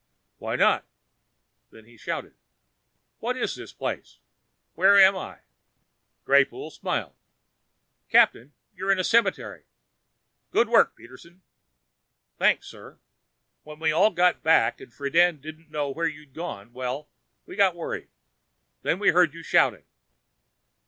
"Why not?" Then he shouted, "What is this place? Where am I?" Mr. Greypoole smiled. "Captain, you are in a cemetery." "Good work, Peterson!" "Thanks, sir. When we all got back and Friden didn't know where you'd gone, well, we got worried. Then we heard you shouting."